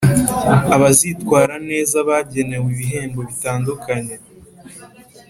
Abazitwara neza bagenewe ibihembo bitandukanye